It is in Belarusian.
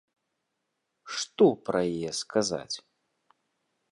Што пра яе сказаць?